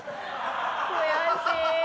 悔しーい。